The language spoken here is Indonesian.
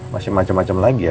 masih macem macem lagi ya